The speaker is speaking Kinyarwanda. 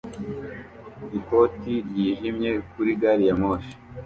ikoti ryijimye kuri gari ya moshi